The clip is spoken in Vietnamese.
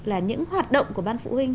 là những hoạt động của ban phụ huynh